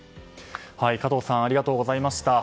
加藤さんありがとうございました。